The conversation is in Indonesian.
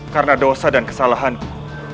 karena dosa dan kesalahanku